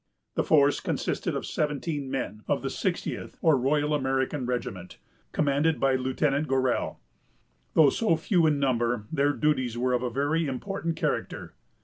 The force consisted of seventeen men, of the 60th or Royal American regiment, commanded by Lieutenant Gorell. Though so few in number, their duties were of a very important character.